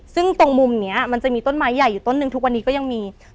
ซึ่งตรงมุมนี้มันจะมีต้นไม้ใหญ่อยู่ต้นหนึ่งทุกวันนี้ก็ยังมี